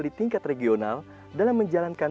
di tingkat regional dalam menjalankan